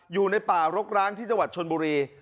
อยู่ในป่ารกร้างที่จังหวัดชนบุรี